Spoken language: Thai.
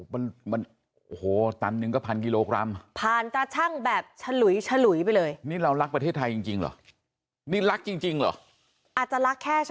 มันมันโอ้โหตันนึงก็๑๐๐๐กิโลกรัมผ่านกระชั่งแบบฉลุยไปเลย